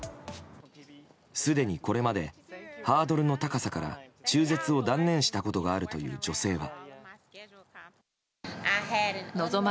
すでにこれまでハードルの高さから中絶を断念したことがあるという女性は。